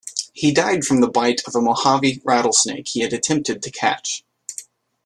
He died from the bite of a Mojave rattlesnake he had attempted to catch.